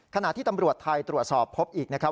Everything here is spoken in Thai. ขณะที่ตำรวจไทยตรวจสอบพบอีกนะครับ